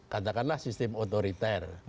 katakanlah sistem otoriter